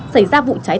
xảy ra vụ cháy